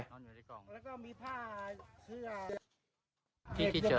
แล้วก็มีผ้าชื่อ